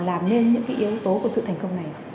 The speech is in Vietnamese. làm nên những cái yếu tố của sự thành công này